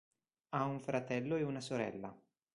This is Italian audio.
Ha un fratello e una sorella.